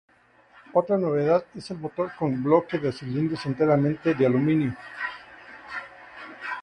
Otra novedad es el motor con bloque de cilindros enteramente de aluminio.